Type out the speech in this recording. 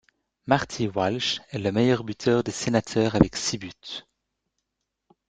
Marty Walsh est le meilleur buteur des Sénateurs avec six buts.